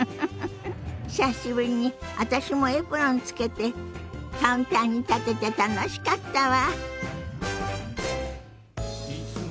久しぶりに私もエプロンつけてカウンターに立てて楽しかったわ。